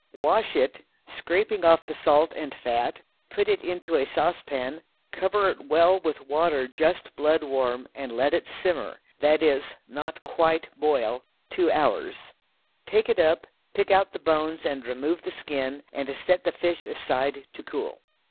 Wash it, scraping off the salt and fat; put it into a sauce pan, cover it well with water just blood warm, and let it simmer—that is, not quite boil, two hours. Take it up, pick out the bones and remove the skin, and set the fish aside to cool.